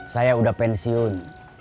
saya udah pensiun